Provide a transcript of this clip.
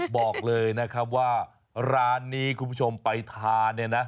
บอกเลยนะครับว่าร้านนี้คุณผู้ชมไปทานเนี่ยนะ